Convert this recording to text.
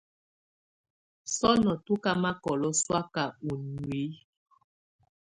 Sɔnɔ tú ká makɔlɔ sɔ̀áka ú nuiyi.